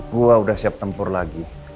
gua udah siap tempur lagi